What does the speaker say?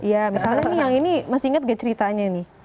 ya misalnya nih yang ini masih ingat gak ceritanya nih